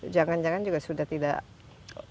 jangan jangan juga sudah tidak berfungsi lagi